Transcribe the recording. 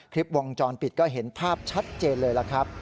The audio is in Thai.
คลิปวงจรปิดก็เห็นภาพชัดเจนเลยล่ะครับ